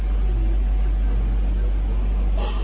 พรุ่งนี้บ้างให้เรื่องมันจบแล้วพอพูดไปพูดมา